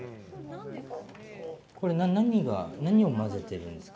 何をまぜてるんですか？